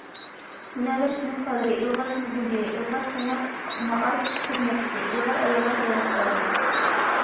مۇنەۋۋەر سىنىپ كادىرى، ئىلغار سىنىپ مۇدىرى، ئىلغار چوڭلار مائارىپ خىزمەتچىسى، ئىلغار ئاياللار بايراقدارى.